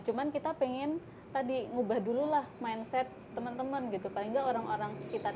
cuman kita pengen tadi ngubah dululah mindset temen temen gitu paling nggak orang orang sekitar